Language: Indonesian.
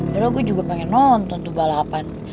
ya lo gue juga pengen nonton tuh balapan